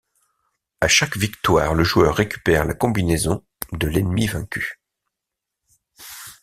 À chaque victoire, le joueur récupère la combinaison de l'ennemi vaincu.